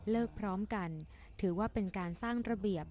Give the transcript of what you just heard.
พร้อมกันถือว่าเป็นการสร้างระเบียบ